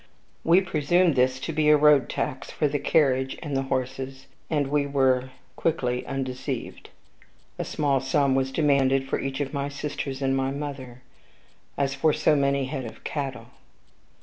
We presumed this to be a road tax for the carriage and horses, but we were quickly undeceived; a small sum was demanded for each of my sisters and my mother, as for so many head of cattle.